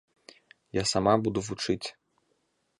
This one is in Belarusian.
Я сама буду вучыць.